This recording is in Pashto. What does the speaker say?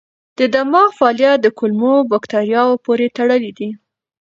د دماغ فعالیت د کولمو بکتریاوو پورې تړلی دی.